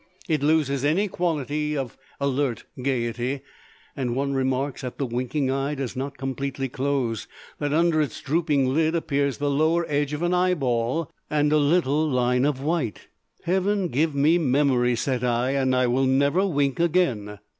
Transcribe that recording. It loses any quality of alert gaiety, and one remarks that the winking eye does not completely close, that under its drooping lid appears the lower edge of an eyeball and a little line of white. "Heaven give me memory," said I, "and I will never wink again."